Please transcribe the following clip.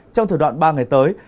trong thời đoạn ba ngày tới